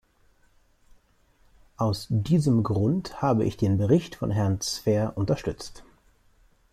Aus diesem Grund habe ich den Bericht von Herrn Zver unterstützt.